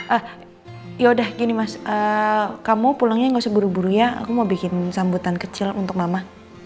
ah yaudah gini mas kamu pulangnya gak seburu buru ya aku mau bikin sambutan kecil untuk mama